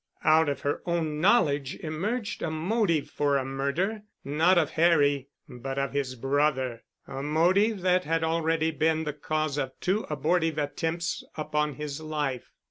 Out of her own knowledge emerged a motive for a murder—not of Harry, but of his brother—a motive that had already been the cause of two abortive attempts upon his life.